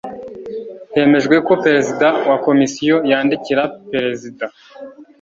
hemejwe ko perezida wa komisiyo yandikira perezida